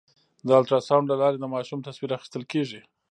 د الټراساونډ له لارې د ماشوم تصویر اخیستل کېږي.